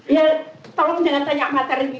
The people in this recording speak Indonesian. ya tolong jangan tanya materi